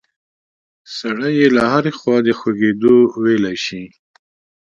سړی یې له هرې خوا د خوږېدو ویلی شي.